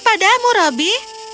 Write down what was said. apa lagi padamu robby